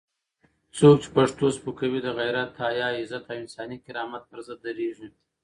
څوک چې پښتو سپکوي، د غیرت، حیا، عزت او انساني کرامت پر ضد درېږي.